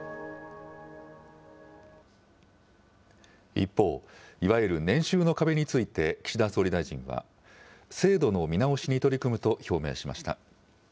一方、いわゆる年収の壁について岸田総理大臣は、制度の見直しに取り組むと表明しました。